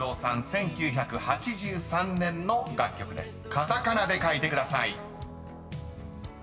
［カタカナで書いてください］